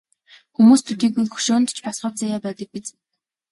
Хүмүүст төдийгүй хөшөөнд ч бас хувь заяа байдаг биз.